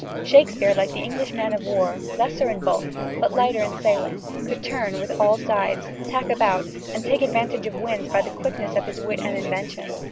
Shakespeare, like the English man of war, lesser in bulk, but lighter in sailing, could turn with all sides, tack about, and take advantage of all winds by the quickness of his wit and invention."